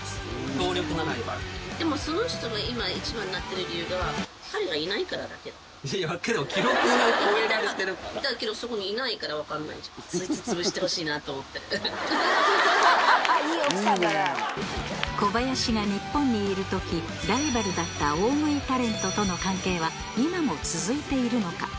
強力なライバルでもその人が今一番になってる理由がいやけどけどそこにいないから分かんないじゃん小林が日本にいる時ライバルだった大食いタレントとの関係は今も続いているのか？